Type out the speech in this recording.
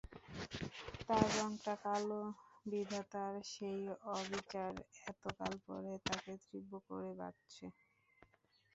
তার রঙটা কালো, বিধাতার সেই অবিচার এতকাল পরে তাকে তীব্র করে বাজছে।